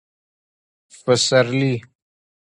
فسرلي د کال اول فصل دي